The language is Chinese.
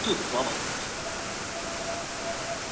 嘉靖四十年辛未科第三甲第三十七名进士。